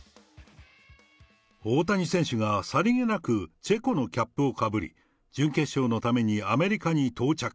大谷選手がさりげなく、チェコのキャップをかぶり、準決勝のためにアメリカに到着。